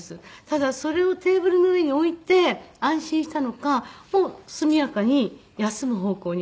ただそれをテーブルの上に置いて安心したのかもう速やかに休む方向に私はいったみたいです。